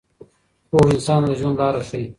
پوهه انسان ته د ژوند لاره ښیي.